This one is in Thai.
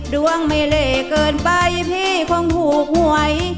ดวงไม่เลเกินไปพี่คงถูกหวย